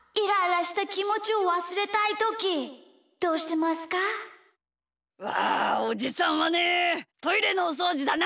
まあおじさんはねトイレのおそうじだな。